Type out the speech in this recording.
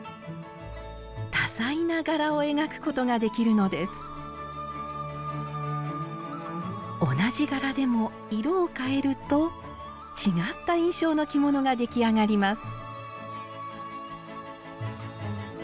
多彩な柄を描くことができるのです同じ柄でも色を変えると違った印象の着物が出来上がります